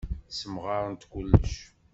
Ssemɣarent kullec.